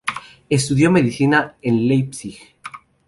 Estudió Medicina en Leipzig.